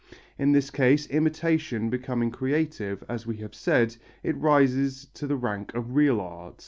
In this case, imitation becoming creative, as we have said, it rises to the rank of real art.